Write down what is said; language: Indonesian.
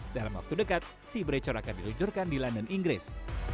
dalam waktu dekat sea breacher akan diluncurkan di london inggris